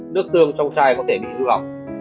nước tương trong chai có thể bị hư hỏng